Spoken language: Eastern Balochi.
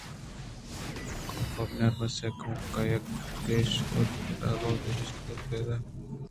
کاف ءَبناربس کمے یک کش کُت ءُپہ ہلوت جست کُت تو ادا پرچہ اتکگے توزاناں قلات ءِ تہا نہ نشتگے؟